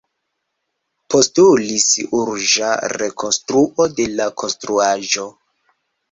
Postulis urĝa rekonstruo de la konstruaĵo.